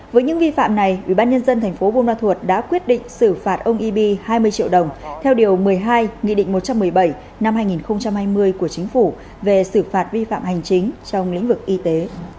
với những vi phạm này ubnd tp buôn ma thuột đã quyết định xử phạt ông eby hai mươi triệu đồng theo điều một mươi hai nghị định một trăm một mươi bảy năm hai nghìn hai mươi của chính phủ về xử phạt vi phạm hành chính trong lĩnh vực y tế